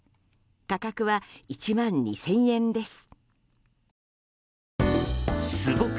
価格は１万２０００円です。